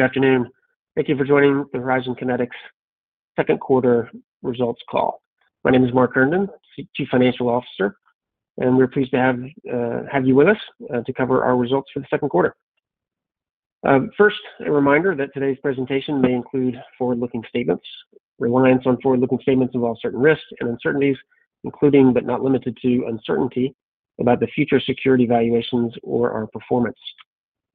Good afternoon. Thank you for joining the Horizon Kinetics Second Quarter Results Call. My name is Mark Herndon, Chief Financial Officer, and we're pleased to have you with us to cover our results for the second quarter. First, a reminder that today's presentation may include forward-looking statements. Reliance on forward-looking statements involves certain risks and uncertainties, including but not limited to uncertainty about the future security valuations or our performance.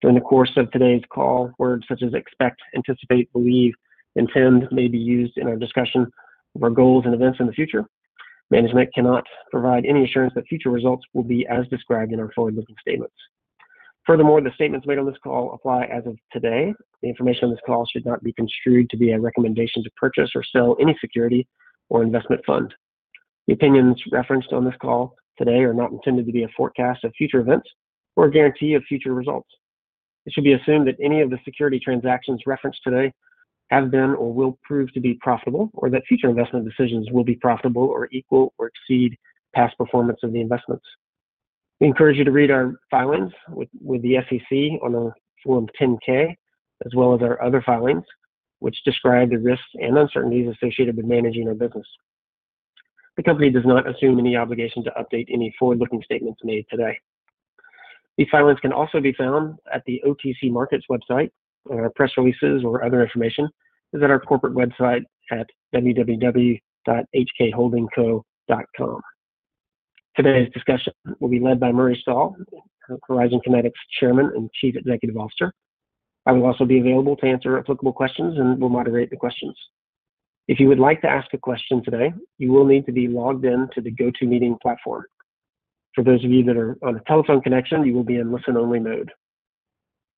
During the course of today's call, words such as expect, anticipate, believe, and intend may be used in our discussion of our goals and events in the future. Management cannot provide any assurance that future results will be as described in our forward-looking statements. Furthermore, the statements made on this call apply as of today. The information on this call should not be construed to be a recommendation to purchase or sell any security or investment fund. The opinions referenced on this call today are not intended to be a forecast of future events or a guarantee of future results. It should be assumed that any of the security transactions referenced today have been or will prove to be profitable, or that future investment decisions will be profitable or equal or exceed past performance of the investments. We encourage you to read our filings with the SEC on the Form 10-K, as well as our other filings, which describe the risks and uncertainties associated with managing our business. The company does not assume any obligation to update any forward-looking statements made today. These filings can also be found at the OTC Markets website. Our press releases or other information is at our corporate website at www.hkholdingco.com. Today's discussion will be led by Murray Stahl, Horizon Kinetics Chairman and Chief Executive Officer. I will also be available to answer applicable questions and will moderate the questions. If you would like to ask a question today, you will need to be logged into the GoToMeeting platform. For those of you that are on a telephone connection, you will be in listen-only mode.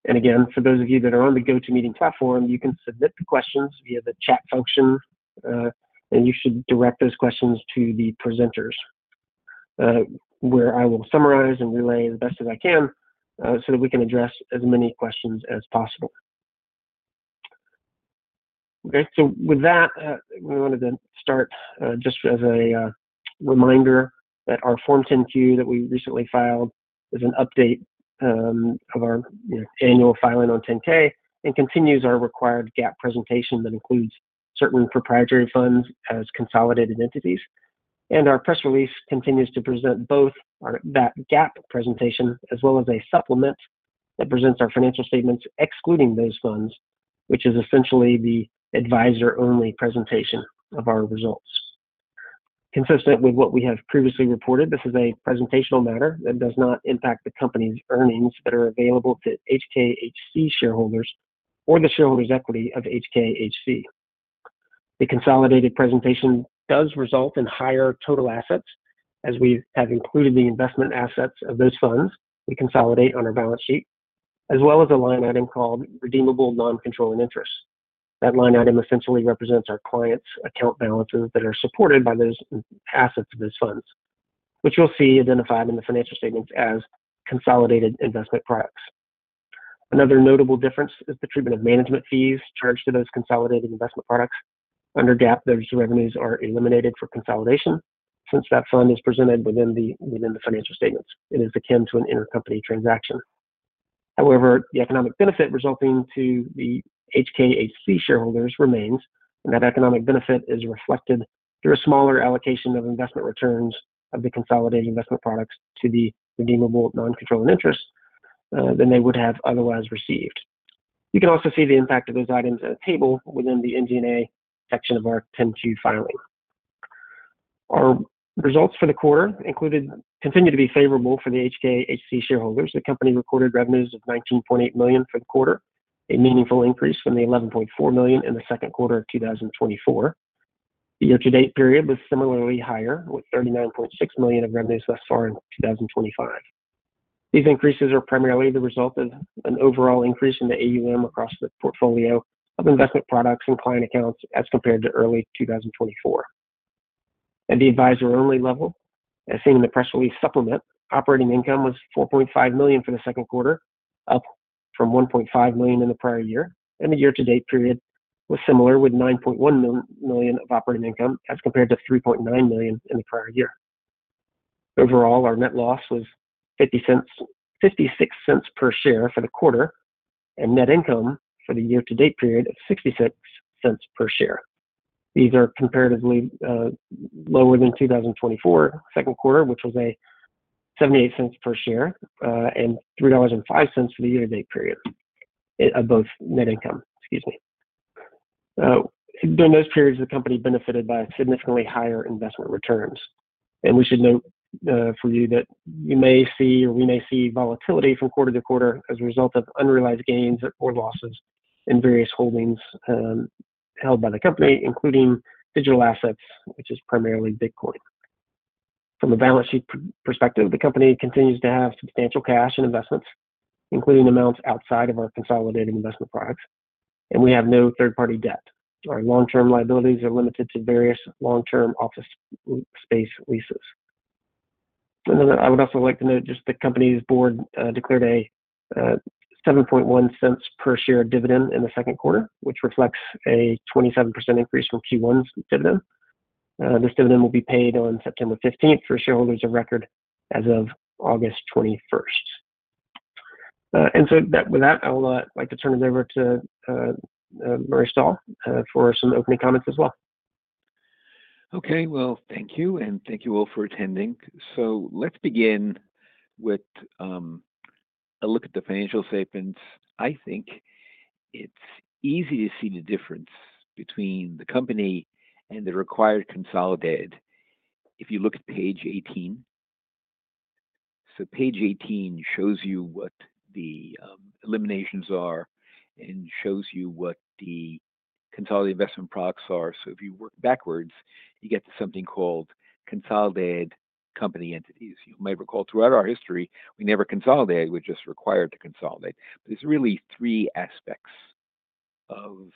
For those of you that are on the GoToMeeting platform, you can submit the questions via the chat function, and you should direct those questions to the presenters, where I will summarize and relay the best as I can so that we can address as many questions as possible. Okay, with that, we wanted to start just as a reminder that our Form 10-Q that we recently filed is an update of our annual filing on 10-K and continues our required GAAP presentation that includes certain proprietary funds as consolidated entities. Our press release continues to present both that GAAP presentation as well as a supplement that presents our financial statements excluding those funds, which is essentially the advisor-only presentation of our results. Consistent with what we have previously reported, this is a presentational matter that does not impact the company's earnings that are available to HKHC or the shareholders' equity of HKHC. The consolidated presentation does result in higher total assets, as we have included the investment assets of those funds we consolidate on our balance sheet, as well as a line item called Redeemable Non-Controlling Interests. That line item essentially represents our clients' account balances that are supported by those assets of those funds, which you'll see identified in the financial statements as consolidated investment products. Another notable difference is the treatment of management fees charged to those consolidated investment products. Under GAAP, those revenues are eliminated for consolidation since that fund is presented within the financial statements. It is akin to an intercompany transaction. However, the economic benefit resulting to the HKHC shareholders remains, and that economic benefit is reflected through a smaller allocation of investment returns of the consolidated investment products to the Redeemable Non-Controlling Interests than they would have otherwise received. You can also see the impact of those items in a table within the NG&A section of our 10-Q filing. Our results for the quarter continue to be favorable for the HKHC shareholders. The company recorded revenues of $19.8 million for the quarter, a meaningful increase from the $11.4 million in the second quarter of 2024. The year-to-date period was similarly higher, with $39.6 million of revenues thus far in 2025. These increases are primarily the result of an overall increase in the AUM across the portfolio of investment products and client accounts as compared to early 2024. At the advisor-only level, as seen in the press release supplement, operating income was $4.5 million for the second quarter, up from $1.5 million in the prior year. The year-to-date period was similar, with $9.1 million of operating income as compared to $3.9 million in the prior year. Overall, our net loss was $0.56 per share for the quarter and net income for the year-to-date period of $0.66 per share. These are comparatively lower than the 2024 second quarter, which was $0.78 per share and $3.05 for the year-to-date period of both net income. Excuse me. During those periods, the company benefited by significantly higher investment returns. We should note for you that you may see or we may see volatility from quarter to quarter as a result of unrealized gains or losses in various holdings held by the company, including digital assets, which is primarily Bitcoin. From a balance sheet perspective, the company continues to have substantial cash and investments, including amounts outside of our consolidated investment products. We have no third-party debt. Our long-term liabilities are limited to various long-term office space leases. I would also like to note just the company's board declared a $0.071 per share dividend in the second quarter, which reflects a 27% increase from Q1's dividend. This dividend will be paid on September 15th for shareholders of record as of August 21st. With that, I'd like to turn it over to Murray Stahl for some opening comments as well. Thank you, and thank you all for attending. Let's begin with a look at the financial statements. I think it's easy to see the difference between the company and the required consolidated. If you look at page 18, page 18 shows you what the eliminations are and shows you what the consolidated investment products are. If you work backwards, you get to something called consolidated company entities. You might recall throughout our history, we never consolidated. We're just required to consolidate. There are really three aspects of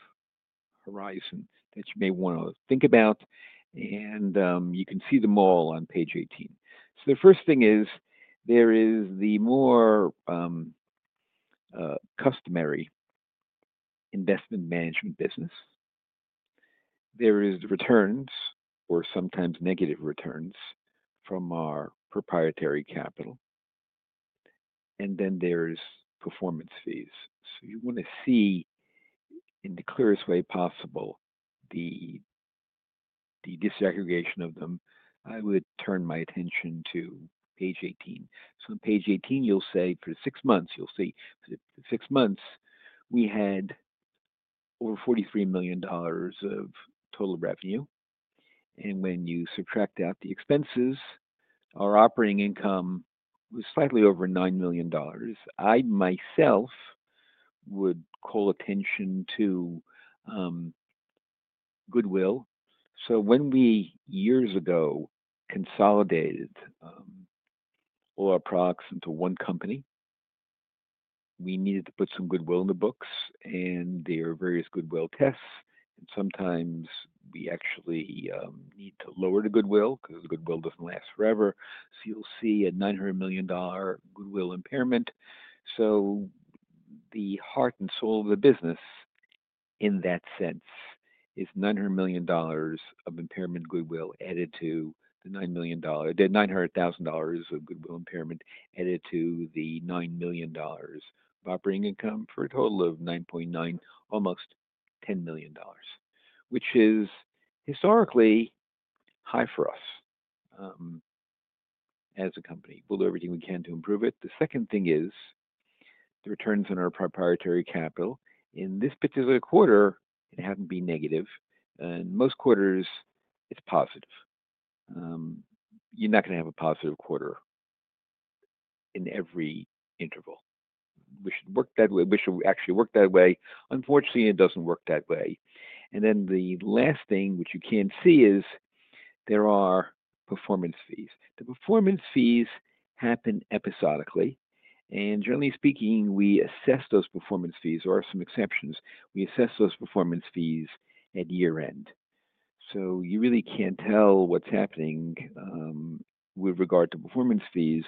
Horizon that you may want to think about, and you can see them all on page 18. The first thing is there is the more customary investment management business. There is the returns, or sometimes negative returns, from our proprietary capital. Then there are performance fees. If you want to see in the clearest way possible the disaggregation of them, I would turn my attention to page 18. On page 18, you'll see for the six months, we had over $43 million of total revenue. When you subtract out the expenses, our operating income was slightly over $9 million. I myself would call attention to goodwill. Years ago, when we consolidated all our products into one company, we needed to put some goodwill in the books, and there are various goodwill tests. Sometimes we actually need to lower the goodwill because goodwill doesn't last forever. You'll see a $900,000 goodwill impairment. The heart and soul of the business in that sense is $900,000 of goodwill impairment added to the $9 million of operating income for a total of $9.9 million, almost $10 million, which is historically high for us as a company. We'll do everything we can to improve it. The second thing is the returns on our proprietary capital. In this particular quarter, it happened to be negative. In most quarters, it's positive. You're not going to have a positive quarter in every interval. We should work that way. We should actually work that way. Unfortunately, it doesn't work that way. The last thing which you can see is there are performance fees. The performance fees happen episodically. Generally speaking, we assess those performance fees, with some exceptions. We assess those performance fees at year-end. You really can't tell what's happening with regard to performance fees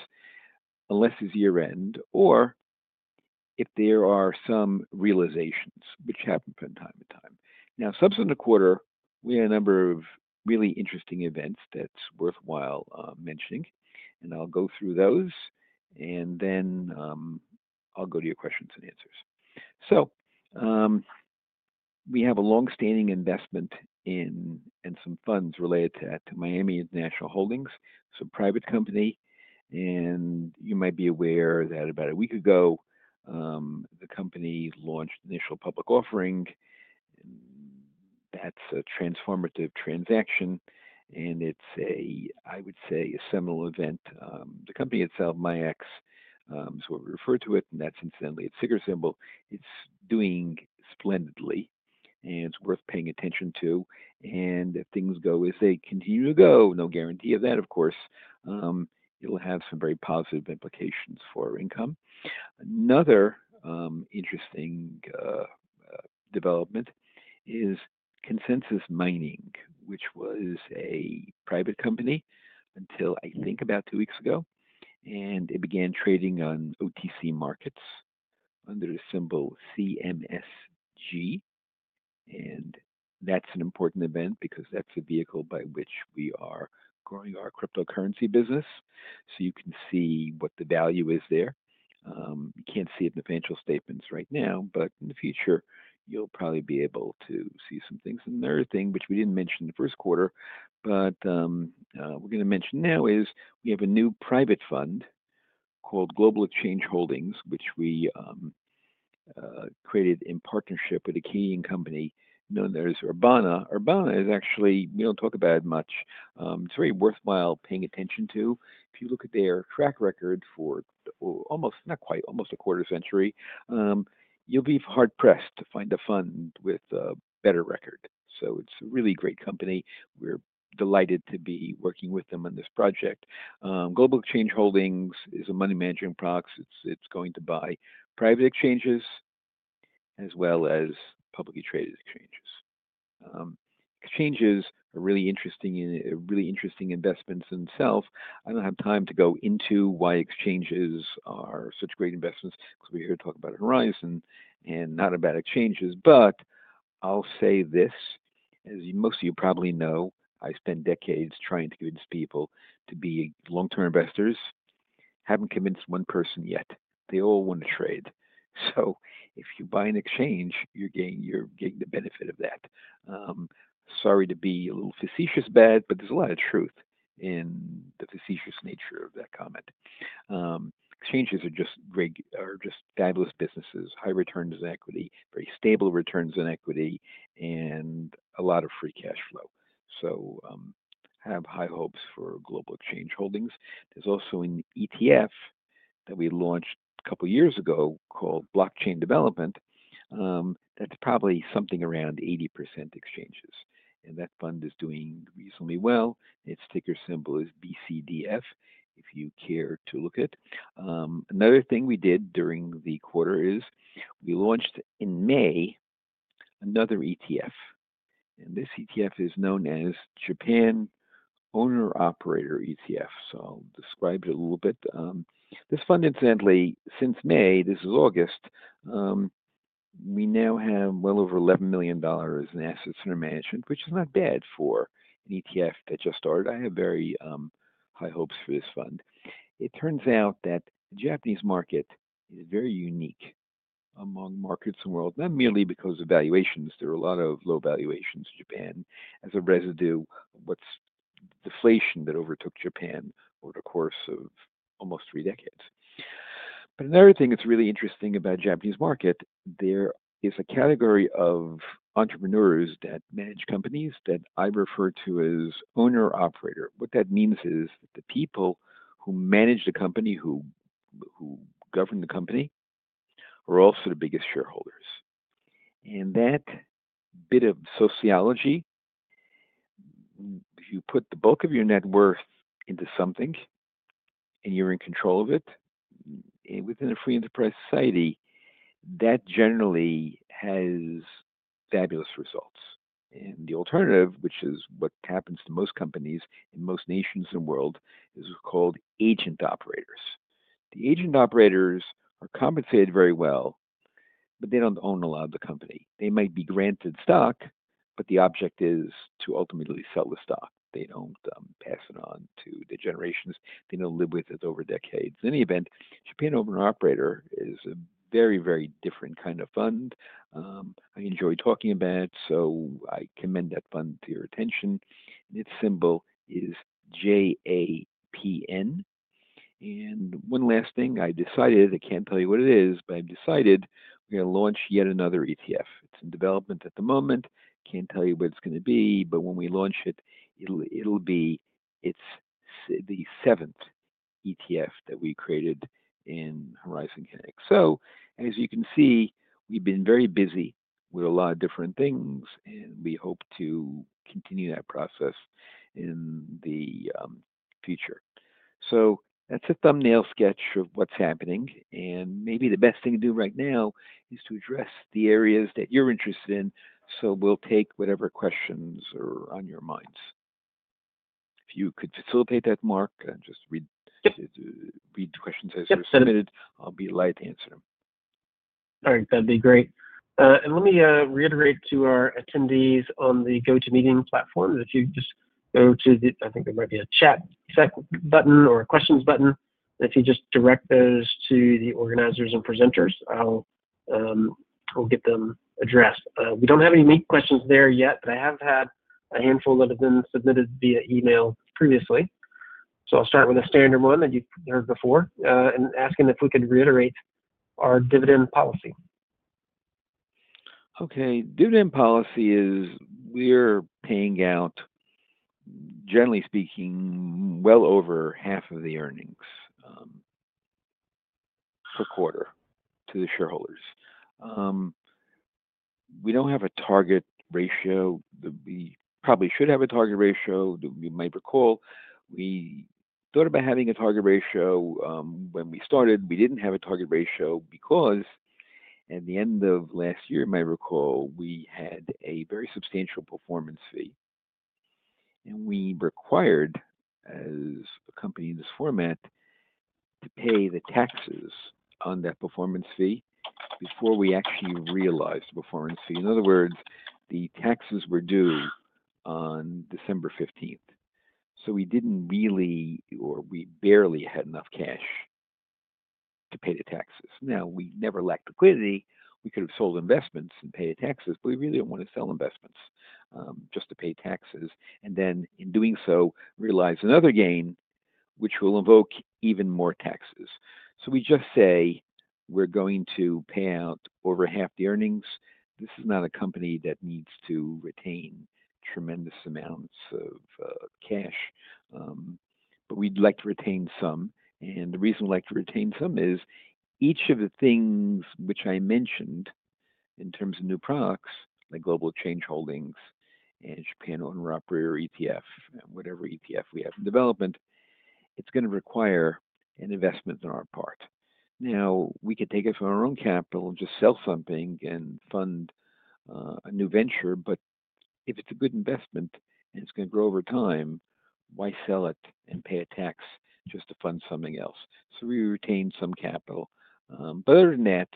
unless it's year-end or if there are some realizations, which happen from time to time. Subsequent to the quarter, we had a number of really interesting events that's worthwhile mentioning. I'll go through those, and then I'll go to your questions and answers. We have a longstanding investment in some funds related to Miami International Holdings, some private company. You might be aware that about a week ago, the company launched an initial public offering. That's a transformative transaction. It's a, I would say, a seminal event. The company itself, MAYEX, is what we refer to it. That's incidentally its ticker symbol. It's doing splendidly, and it's worth paying attention to. If things go as they continue to go, no guarantee of that, of course, it'll have some very positive implications for our income. Another interesting development is Consensus Mining, which was a private company until, I think, about two weeks ago. It began trading on OTC markets under the symbol CMSG. That's an important event because that's a vehicle by which we are growing our cryptocurrency business. You can see what the value is there. You can't see it in the financial statements right now, but in the future, you'll probably be able to see some things. Another thing which we didn't mention in the first quarter, but we're going to mention now, is we have a new private fund called Global Exchange Holdings, which we created in partnership with a Canadian company known as Urbana. Urbana is actually, we don't talk about it much. It's very worthwhile paying attention to. If you look at their track record for almost, not quite, almost a quarter century, you'll be hard-pressed to find a fund with a better record. It's a really great company. We're delighted to be working with them on this project. Global Exchange Holdings is a money management product. It's going to buy private exchanges as well as publicly traded exchanges. Exchanges are really interesting and really interesting investments in themselves. I don't have time to go into why exchanges are such great investments because we're here to talk about Horizon and not about exchanges. I'll say this. As most of you probably know, I spent decades trying to convince people to be long-term investors. I haven't convinced one person yet. They all want to trade. If you buy an exchange, you're getting the benefit of that. Sorry to be a little facetious about it, but there's a lot of truth in the facetious nature of that comment. Exchanges are just fabulous businesses, high returns in equity, very stable returns in equity, and a lot of free cash flow. I have high hopes for Global Exchange Holdings. There's also an ETF that we launched a couple of years ago called Blockchain Development. That's probably something around 80% exchanges, and that fund is doing reasonably well. Its ticker symbol is BCDF if you care to look at it. Another thing we did during the quarter is we launched in May another ETF. This ETF is known as Japan Owner Operator ETF. I'll describe it a little bit. This fund, incidentally, since May, this is August, we now have well over $11 million in assets under management, which is not bad for an ETF that just started. I have very high hopes for this fund. It turns out that the Japanese market is very unique among markets in the world, not merely because of valuations. There are a lot of low valuations in Japan as a residue of what's deflation that overtook Japan over the course of almost three decades. Another thing that's really interesting about the Japanese market, there is a category of entrepreneurs that manage companies that I refer to as owner-operator. What that means is that the people who manage the company, who govern the company, are also the biggest shareholders. That bit of sociology, if you put the bulk of your net worth into something and you're in control of it within a free enterprise society, that generally has fabulous results. The alternative, which is what happens to most companies in most nations in the world, is called agent operators. The agent operators are compensated very well, but they don't own a lot of the company. They might be granted stock, but the object is to ultimately sell the stock. They don't pass it on to the generations. They don't live with it over decades. In any event, Japan Owner Operator is a very, very different kind of fund. I enjoy talking about it, so I commend that fund to your attention. Its symbol is JAPN. One last thing, I decided, I can't tell you what it is, but I've decided we're going to launch yet another ETF. It's in development at the moment. Can't tell you what it's going to be, but when we launch it, it'll be the seventh ETF that we created in Horizon Kinetics. As you can see, we've been very busy with a lot of different things, and we hope to continue that process in the future. That's a thumbnail sketch of what's happening. Maybe the best thing to do right now is to address the areas that you're interested in. We'll take whatever questions are on your minds. If you could facilitate that, Mark, and just read the questions as they're submitted, I'll be delighted to answer them. All right. That'd be great. Let me reiterate to our attendees on the GoToMeeting platform that if you just go to the, I think there might be a chat button or a questions button, and if you just direct those to the organizers and presenters, I'll get them addressed. We don't have any main questions there yet, but I have had a handful of them submitted via email previously. I'll start with a standard one that you've heard before, asking if we could reiterate our dividend policy. Okay. Dividend policy is we're paying out, generally speaking, well over half of the earnings per quarter to the shareholders. We don't have a target ratio. We probably should have a target ratio. You might recall we thought about having a target ratio when we started. We didn't have a target ratio because at the end of last year, you might recall, we had a very substantial performance fee. We required, as a company in this format, to pay the taxes on that performance fee before we actually realized the performance fee. In other words, the taxes were due on December 15th. We didn't really, or we barely had enough cash to pay the taxes. We never lacked liquidity. We could have sold investments and paid the taxes, but we really don't want to sell investments just to pay taxes. In doing so, we realize another gain, which will invoke even more taxes. We just say we're going to pay out over half the earnings. This is not a company that needs to retain tremendous amounts of cash, but we'd like to retain some. The reason we like to retain some is each of the things which I mentioned in terms of new products, like Global Exchange Holdings and Japan Owner Operator ETF, and whatever ETF we have in development, it's going to require an investment on our part. We could take it from our own capital and just sell something and fund a new venture. If it's a good investment and it's going to grow over time, why sell it and pay a tax just to fund something else? We retain some capital. Other than that,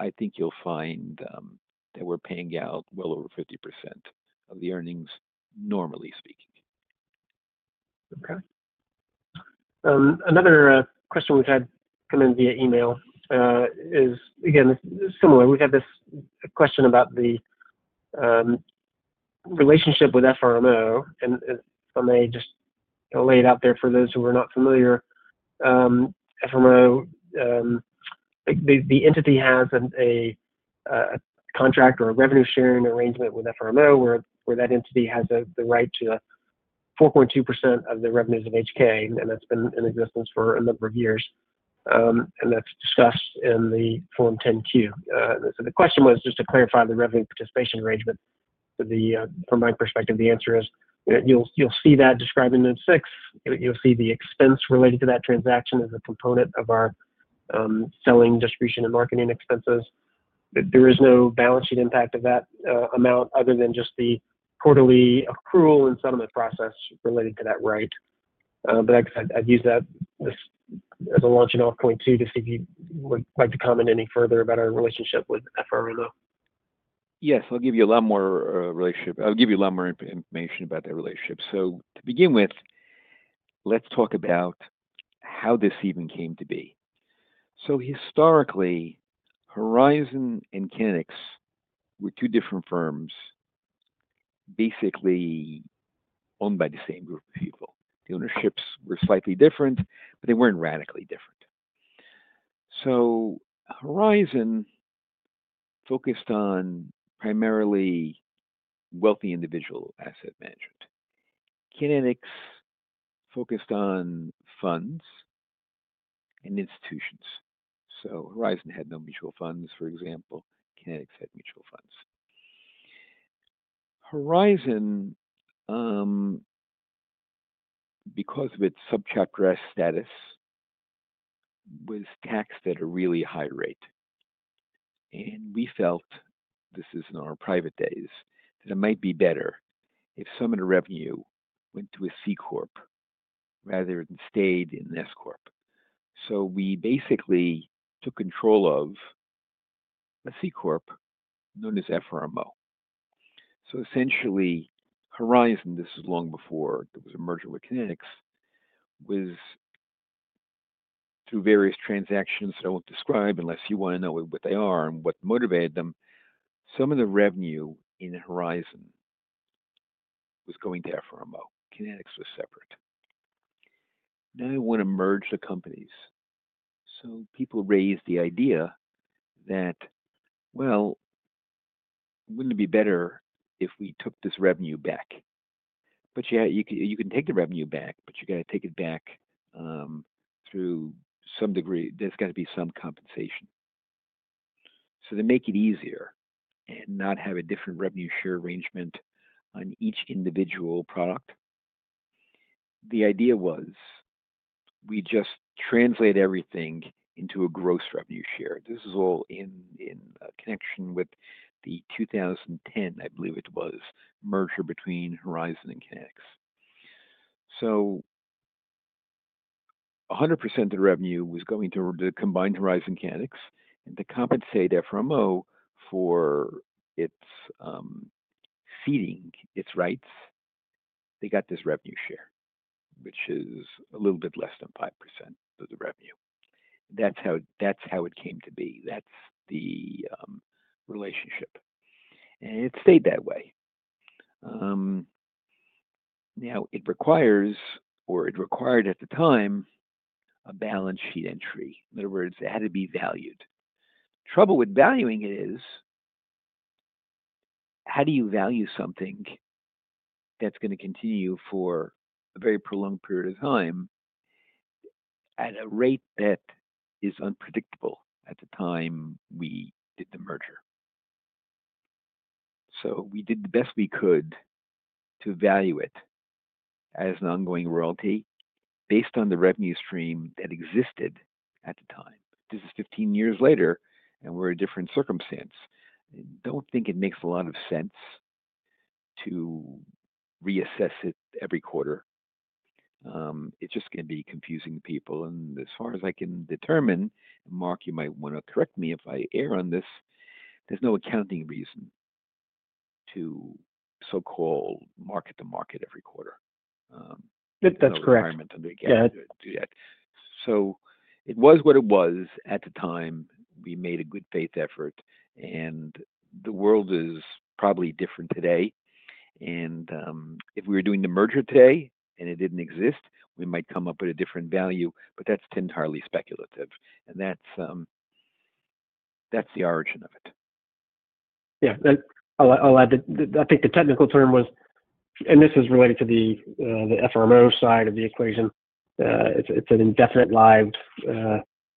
I think you'll find that we're paying out well over 50% of the earnings, normally speaking. Okay. Another question we've had come in via email is, again, it's similar. We've had this question about the relationship with FRMO. I may just lay it out there for those who are not familiar. The entity has a contract or a revenue-sharing arrangement with FRMO where that entity has the right to 4.2% of the revenues of HK. That's been in existence for a number of years. That's discussed in the Form 10-Q. The question was just to clarify the revenue participation arrangement. From my perspective, the answer is you'll see that described in note six. You'll see the expense related to that transaction as a component of our selling, distribution, and marketing expenses. There is no balance sheet impact of that amount other than just the quarterly accrual and settlement process related to that right. Like I said, I've used that as a launch and off point too to see if you would like to comment any further about our relationship with FRMO. Yes. I'll give you a lot more information about that relationship. To begin with, let's talk about how this even came to be. Historically, Horizon and Kinetics were two different firms basically owned by the same group of people. The ownerships were slightly different, but they weren't radically different. Horizon focused on primarily wealthy individual asset management. Kinetics focused on funds and institutions. Horizon had no mutual funds, for example. Kinetics had mutual funds. Horizon, because of its subchapterized status, was taxed at a really high rate. We felt, this is in our private days, that it might be better if some of the revenue went to a C corp rather than stayed in an S corp. We basically took control of a C corp known as FRMO. Essentially, Horizon, this was long before there was a merger with Kinetics, was through various transactions that I won't describe unless you want to know what they are and what motivated them. Some of the revenue in Horizon was going to FRMO. Kinetics was separate. Now you want to merge the companies. People raised the idea that, wouldn't it be better if we took this revenue back? You can take the revenue back, but you got to take it back through some degree. There's got to be some compensation. To make it easier and not have a different revenue share arrangement on each individual product, the idea was we just translate everything into a gross revenue share. This is all in connection with the 2010, I believe it was, merger between Horizon and Kinetics. 100% of the revenue was going to the combined Horizon Kinetics. To compensate FRMO for its seeding, its rights, they got this revenue share, which is a little bit less than 5% of the revenue. That's how it came to be. That's the relationship. It stayed that way. It requires, or it required at the time, a balance sheet entry. In other words, it had to be valued. The trouble with valuing it is, how do you value something that's going to continue for a very prolonged period of time at a rate that is unpredictable at the time we did the merger? We did the best we could to value it as an ongoing royalty based on the revenue stream that existed at the time. This is 15 years later, and we're in a different circumstance. I don't think it makes a lot of sense to reassess it every quarter. It's just going to be confusing to people. As far as I can determine, Mark, you might want to correct me if I err on this, there's no accounting reason to so-called market to market every quarter. That's correct. There's no requirement under GAAP to do that. It was what it was at the time. We made a good faith effort. The world is probably different today. If we were doing the merger today and it didn't exist, we might come up with a different value, but that's entirely speculative. That's the origin of it. Yeah. I'll add that I think the technical term was, and this is related to the FRMO side of the equation. It's an indefinite life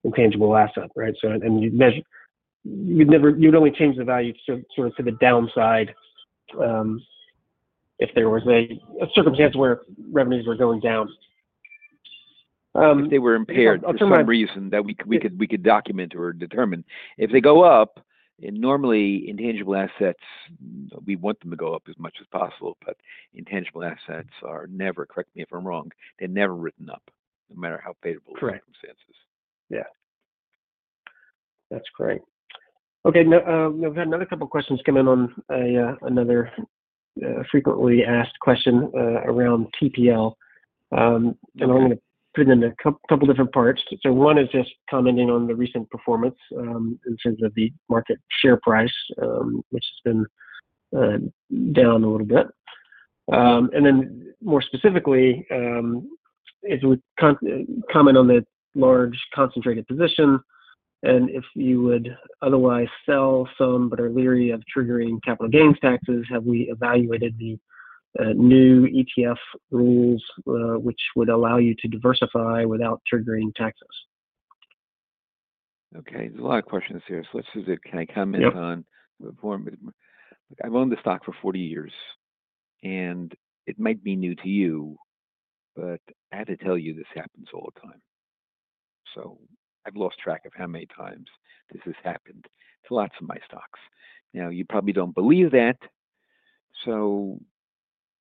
intangible asset, right? You'd only change the value to the downside if there was a circumstance where revenues were going down. If they were impaired, there's no reason that we could document or determine. If they go up, and normally intangible assets, we want them to go up as much as possible, but intangible assets are never, correct me if I'm wrong, they're never written up no matter how favorable the circumstances. Correct. Yeah. That's great. Now, we've had another couple of questions come in on another frequently asked question around TPL. I'm going to put it in a couple of different parts. One is just commenting on the recent performance in terms of the market share price, which has been down a little bit. More specifically, as we comment on the large concentrated position, and if you would otherwise sell some but are leery of triggering capital gains taxes, have we evaluated the new ETF rules, which would allow you to diversify without triggering taxes? Okay. There are a lot of questions here. Let's just do it. Can I comment on the form? I've owned the stock for 40 years, and it might be new to you, but I have to tell you this happens all the time. I've lost track of how many times this has happened to lots of my stocks. You probably don't believe that.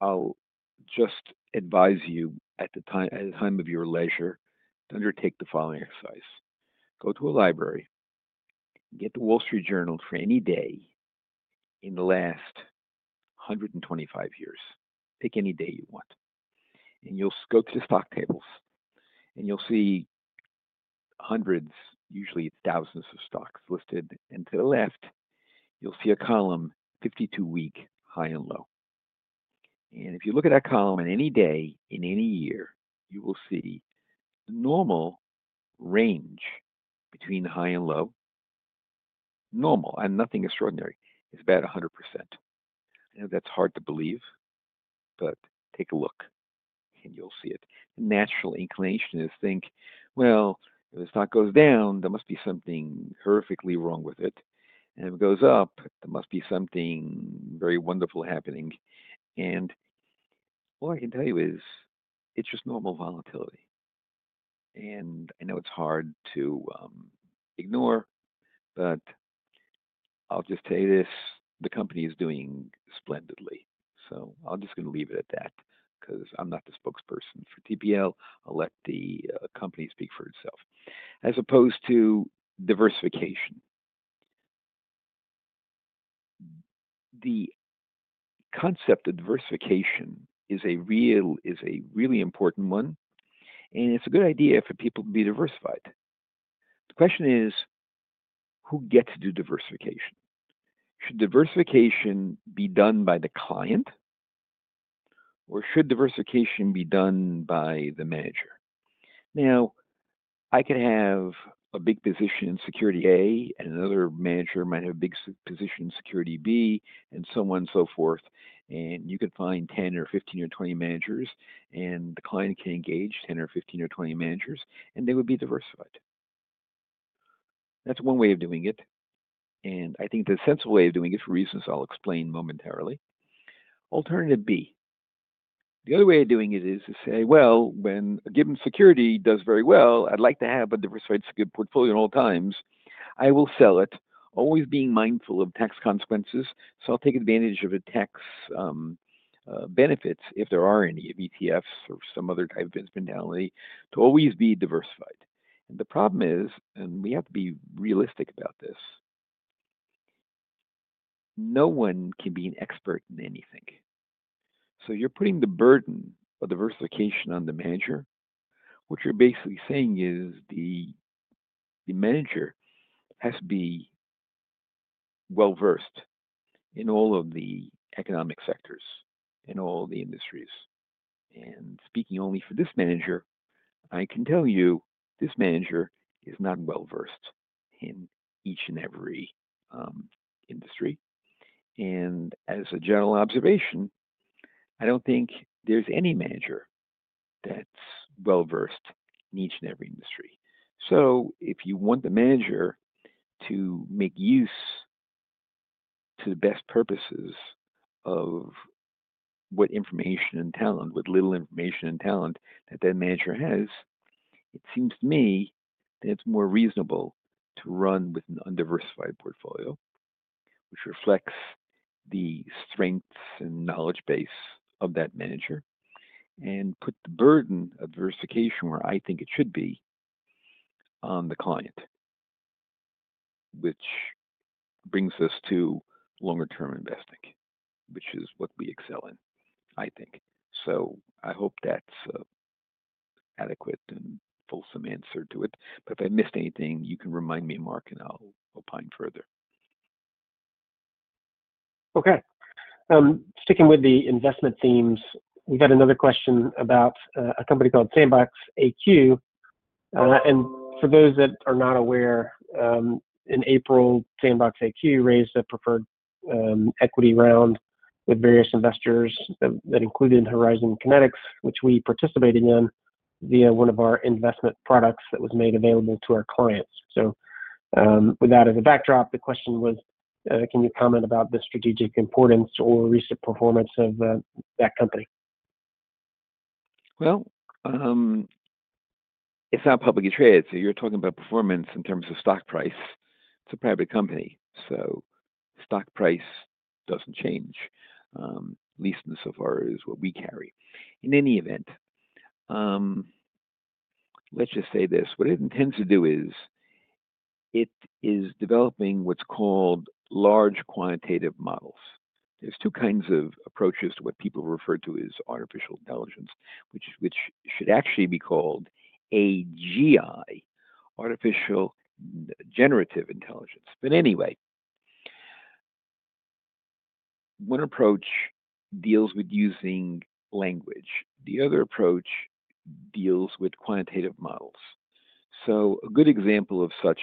I'll just advise you at the time of your leisure, undertake the following exercise. Go to a library. Get The Wall Street Journal for any day in the last 125 years. Pick any day you want. You'll go to the stock tables, and you'll see hundreds, usually thousands of stocks listed. To the left, you'll see a column, 52-week high and low. If you look at that column in any day, in any year, you will see the normal range between the high and low, normal, and nothing extraordinary, is about 100%. I know that's hard to believe, but take a look, and you'll see it. The natural inclination is to think if the stock goes down, there must be something horrifically wrong with it. If it goes up, there must be something very wonderful happening. All I can tell you is it's just normal volatility. I know it's hard to ignore, but I'll just tell you this, the company is doing splendidly. I'm just going to leave it at that because I'm not the spokesperson for TPL. I'll let the company speak for itself. As opposed to diversification, the concept of diversification is a really important one, and it's a good idea for people to be diversified. The question is, who gets to do diversification? Should diversification be done by the client, or should diversification be done by the manager? I could have a big position in Security A, and another manager might have a big position in Security B, and so on and so forth. You could find 10 or 15 or 20 managers, and the client can engage 10 or 15 or 20 managers, and they would be diversified. That's one way of doing it, and I think the sensible way of doing it for reasons I'll explain momentarily. Alternative B, the other way of doing it, is to say when a given security does very well, I'd like to have a diversified portfolio at all times. I will sell it, always being mindful of tax consequences. I'll take advantage of the tax benefits, if there are any, of ETFs or some other type of business modality, to always be diversified. The problem is, and we have to be realistic about this, no one can be an expert in anything. You're putting the burden of diversification on the manager. What you're basically saying is the manager has to be well-versed in all of the economic sectors and all the industries. Speaking only for this manager, I can tell you this manager is not well-versed in each and every industry. As a general observation, I don't think there's any manager that's well-versed in each and every industry. If you want the manager to make use to the best purposes of what information and talent, what little information and talent that that manager has, it seems to me that it's more reasonable to run with an undiversified portfolio, which reflects the strengths and knowledge base of that manager, and put the burden of diversification where I think it should be, on the client, which brings us to longer-term investing, which is what we excel in, I think. I hope that's an adequate and fulsome answer to it. If I missed anything, you can remind me, Mark, and I'll opine further. Okay. Sticking with the investment themes, we got another question about a company called SandboxAQ. For those that are not aware, in April, SandboxAQ raised a preferred equity round with various investors that included Horizon Kinetics, which we participated in via one of our investment products that was made available to our clients. With that as a backdrop, the question was, can you comment about the strategic importance or recent performance of that company? It's not publicly traded. You're talking about performance in terms of stock price. It's a private company, so stock price doesn't change, at least insofar as what we carry. In any event, let's just say this. What it intends to do is it is developing what's called large quantitative models. There are two kinds of approaches to what people refer to as artificial intelligence, which should actually be called AGI, artificial generative intelligence. Anyway, one approach deals with using language. The other approach deals with quantitative models. A good example of such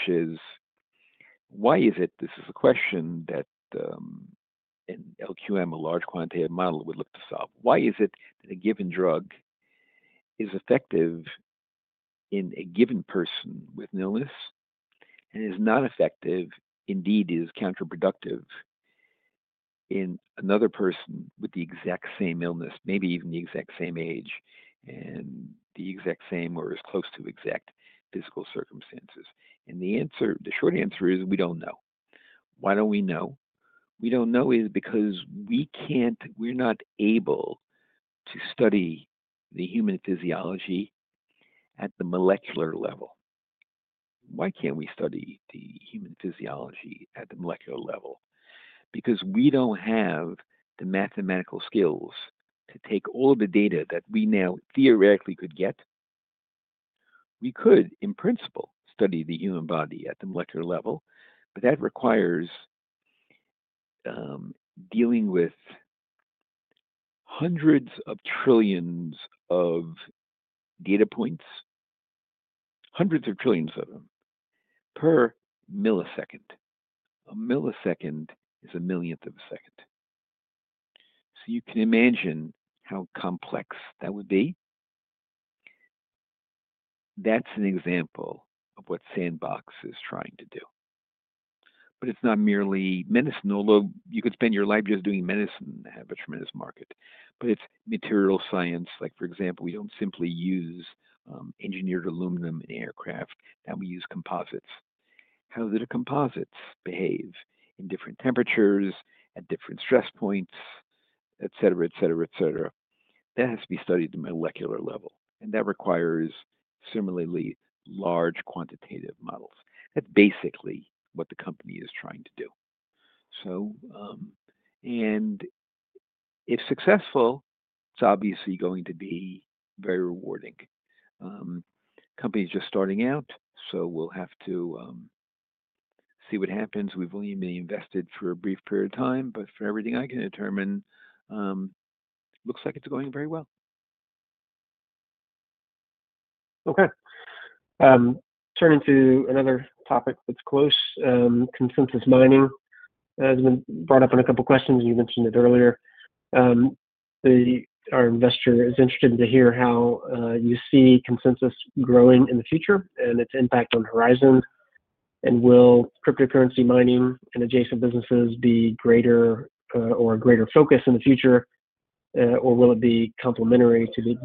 is, why is it—this is a question that an LQM, a large quantitative model, would look to solve—why is it that a given drug is effective in a given person with an illness and is not effective, indeed is counterproductive, in another person with the exact same illness, maybe even the exact same age, and the exact same or as close to exact physical circumstances? The answer, the short answer, is we don't know. Why don't we know? We don't know because we can't, we're not able to study the human physiology at the molecular level. Why can't we study the human physiology at the molecular level? Because we don't have the mathematical skills to take all of the data that we now theoretically could get. We could, in principle, study the human body at the molecular level, but that requires dealing with hundreds of trillions of data points, hundreds of trillions of them per millisecond. A millisecond is a thousandth of a second. You can imagine how complex that would be. That's an example of what Sandbox is trying to do. It's not merely medicine, although you could spend your life just doing medicine and have a tremendous market. It's material science. For example, we don't simply use engineered aluminum in aircraft. Now we use composites. How do the composites behave in different temperatures, at different stress points, etc., etc., etc.? That has to be studied at the molecular level, and that requires similarly large quantitative models. That's basically what the company is trying to do. If successful, it's obviously going to be very rewarding. The company is just starting out, so we'll have to see what happens. We've only been invested for a brief period of time, but for everything I can determine, it looks like it's going very well. Okay. Turning to another topic that's close, Consensus Mining has been brought up in a couple of questions, and you mentioned it earlier. Our investor is interested to hear how you see Consensus growing in the future and its impact on Horizon. Will cryptocurrency mining and adjacent businesses be greater or a greater focus in the future, or will it be complementary to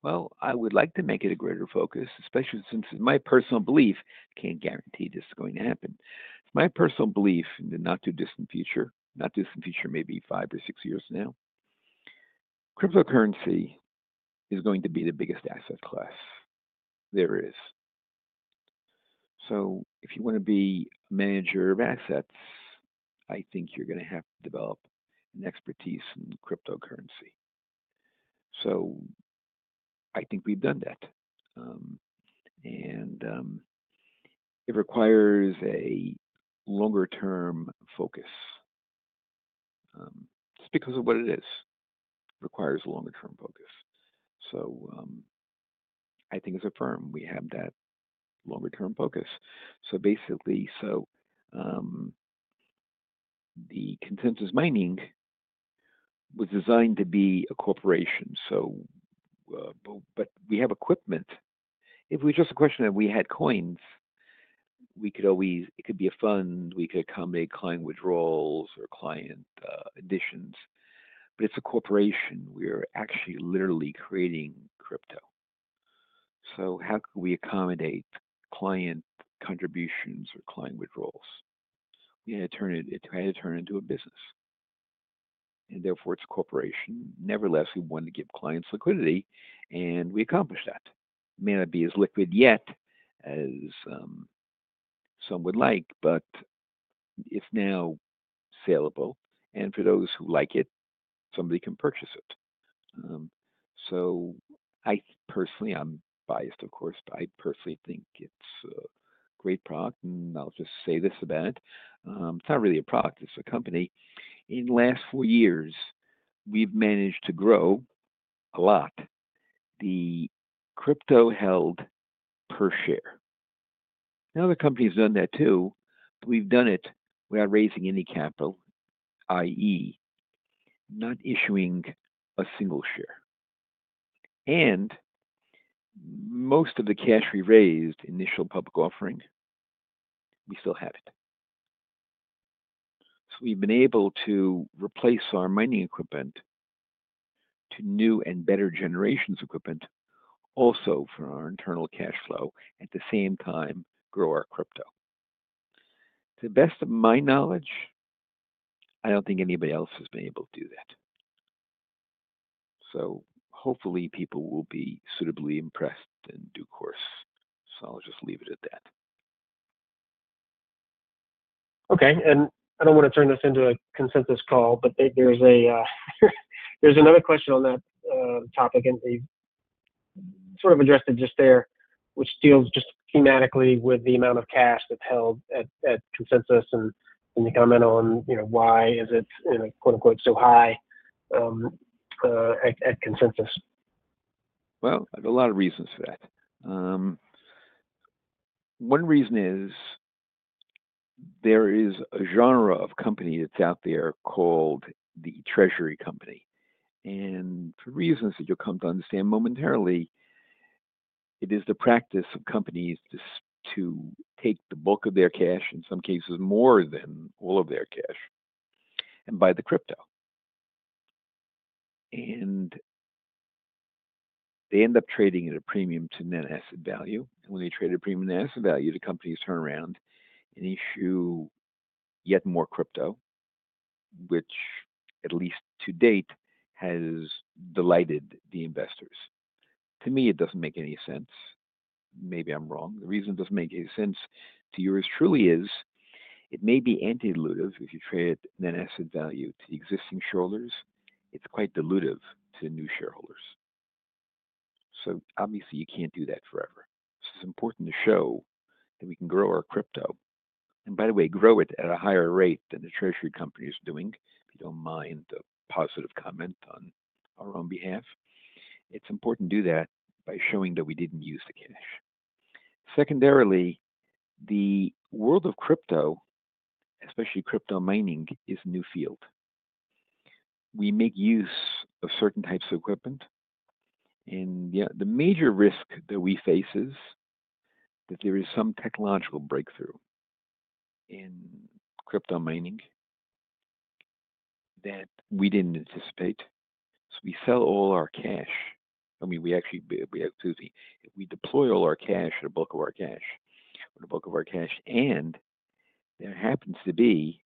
the existing asset management business? I would like to make it a greater focus, especially since it's my personal belief. I can't guarantee this is going to happen. My personal belief in the not-too-distant future, not-too-distant future may be five to six years now, cryptocurrency is going to be the biggest asset class. There it is. If you want to be a manager of assets, I think you're going to have to develop an expertise in cryptocurrency. I think we've done that. It requires a longer-term focus just because of what it is. It requires a longer-term focus. I think as a firm, we have that longer-term focus. Basically, the Consensus Mining was designed to be a corporation. We have equipment. If it was just a question that we had coins, we could always, it could be a fund. We could accommodate client withdrawals or client additions. It's a corporation. We're actually literally creating crypto. How can we accommodate client contributions or client withdrawals? We had to turn it into a business. Therefore, it's a corporation. Nevertheless, we wanted to give clients liquidity, and we accomplished that. It may not be as liquid yet as some would like, but it's now saleable. For those who like it, somebody can purchase it. I personally, I'm biased, of course, but I personally think it's a great product. I'll just say this about it. It's not really a product. It's a company. In the last four years, we've managed to grow a lot. The crypto held per share. Now the company's done that too, but we've done it without raising any capital, i.e., not issuing a single share. Most of the cash we raised in the initial public offering, we still had it. We've been able to replace our mining equipment to new and better generations of equipment, also for our internal cash flow, at the same time grow our crypto. To the best of my knowledge, I don't think anybody else has been able to do that. Hopefully, people will be suitably impressed and do course. I'll just leave it at that. Okay. I don't want to turn this into a Consensus call, but there's another question on that topic. They've sort of addressed it just there, which deals thematically with the amount of cash that's held at Consensus. Can you comment on why is it, quote-unquote, "so high" at Consensus? I have a lot of reasons for that. One reason is there is a genre of company that's out there called the Treasury Company. For reasons that you'll come to understand momentarily, it is the practice of companies to take the bulk of their cash, in some cases more than all of their cash, and buy the crypto. They end up trading at a premium to net asset value. When they trade at a premium to net asset value, the companies turn around and issue yet more crypto, which at least to date has delighted the investors. To me, it doesn't make any sense. Maybe I'm wrong. The reason it doesn't make any sense to yours truly is it may be antidilutive. If you trade at net asset value to existing shareholders, it's quite dilutive to new shareholders. Obviously, you can't do that forever. It's important to show that we can grow our crypto, and by the way, grow it at a higher rate than the Treasury Company is doing. I don't mind the positive comment on our own behalf. It's important to do that by showing that we didn't use the cash. Secondarily, the world of crypto, especially crypto mining, is a new field. We make use of certain types of equipment, and the major risk that we face is that there is some technological breakthrough in crypto mining that we didn't anticipate. If we deploy all our cash and the bulk of our cash, and there happens to be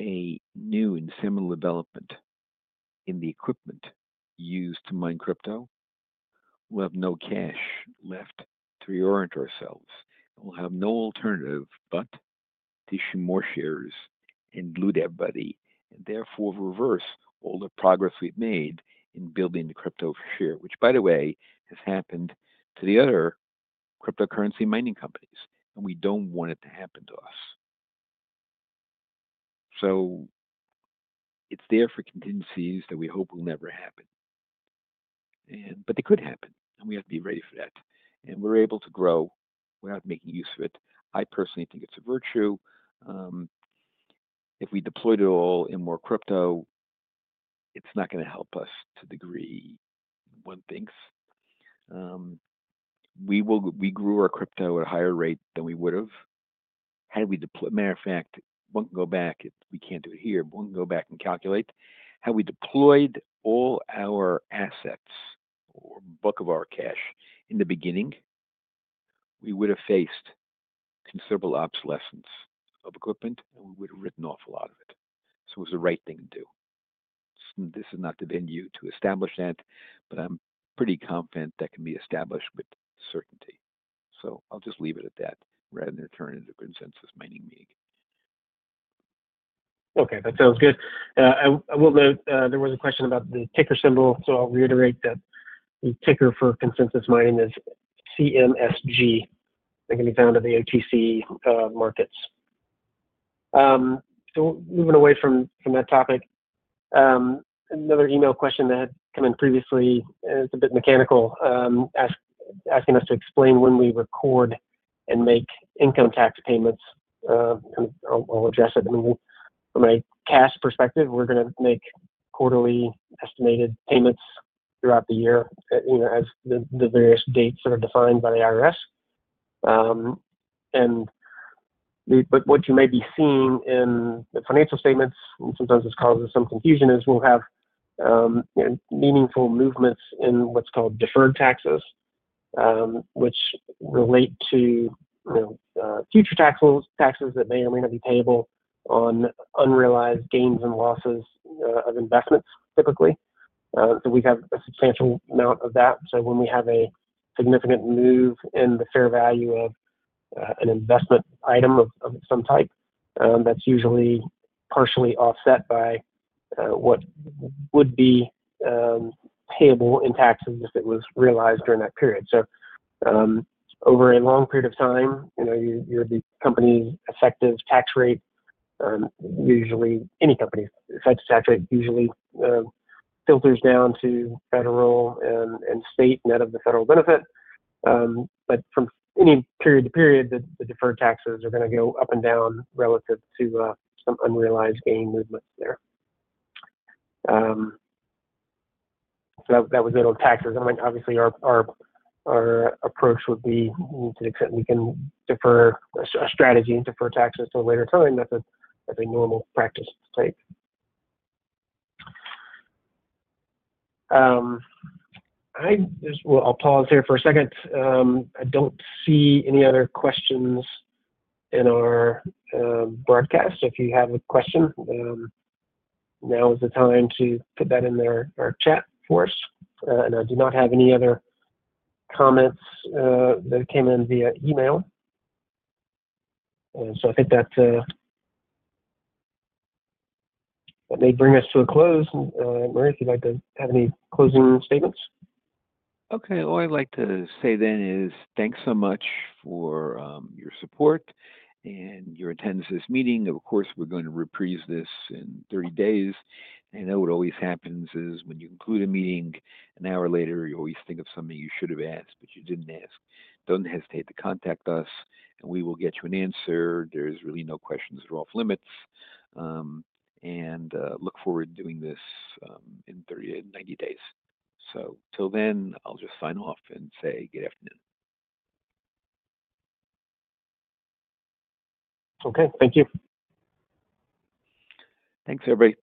a new and similar development in the equipment used to mine crypto, we'll have no cash left to reorient ourselves. We'll have no alternative but to issue more shares and dilute everybody, and therefore reverse all the progress we've made in building the crypto for share, which, by the way, has happened to the other cryptocurrency mining companies. We don't want it to happen to us. It's there for contingencies that we hope will never happen, but they could happen, and we have to be ready for that. We're able to grow without making use of it. I personally think it's a virtue. If we deployed it all in more crypto, it's not going to help us to the degree one thinks. We grew our crypto at a higher rate than we would have. As a matter of fact, we can't go back. We can't do it here, but we can go back and calculate. Had we deployed all our assets or bulk of our cash in the beginning, we would have faced considerable obsolescence of equipment, and we would have written off a lot of it. It was the right thing to do. This has not been yet to establish that, but I'm pretty confident that can be established with certainty. I'll just leave it at that rather than turn it into a Consensus Mining meeting. Okay. That sounds good. I will note there was a question about the ticker symbol. I'll reiterate that the ticker for Consensus Mining is CMSG. They can be found at the OTC Markets. Moving away from that topic, another email question that had come in previously, and it's a bit mechanical, asking us to explain when we record and make income tax payments. I'll address it. From a cash perspective, we're going to make quarterly estimated payments throughout the year as the various dates that are defined by the IRS. What you may be seeing in the financial statements, and sometimes this causes some confusion, is we'll have meaningful movements in what's called deferred taxes, which relate to future taxes that may or may not be payable on unrealized gains and losses of investments, typically. We have a substantial amount of that. When we have a significant move in the fair value of an investment item of some type, that's usually partially offset by what would be payable in taxes if it was realized during that period. Over a long period of time, your company's effective tax rate, usually any company's effective tax rate, usually filters down to federal and state net of the federal benefit. From any period to period, the deferred taxes are going to go up and down relative to some unrealized gain movement there. That would be a little taxes. Obviously, our approach would be to the extent we can defer a strategy and defer taxes to a later time. That's a normal practice to take. I'll pause here for a second. I don't see any other questions in our broadcast. If you have a question, now is the time to put that in our chat for us. I do not have any other comments that came in via email. I think that may bring us to a close. Murray, if you'd like to have any closing statements. Okay. All I'd like to say then is thanks so much for your support and your attendance at this meeting. Of course, we're going to reprise this in 30 days. What always happens is when you conclude a meeting an hour later, you always think of something you should have asked, but you didn't ask. Don't hesitate to contact us, and we will get you an answer. There's really no questions that are off limits. I look forward to doing this in 30-90 days. Until then, I'll just sign off and say good afternoon. Okay, thank you. Thanks, everybody. Bye-bye.